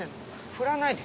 振らないで。